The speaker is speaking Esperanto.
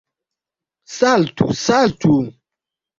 Saltu, saltu!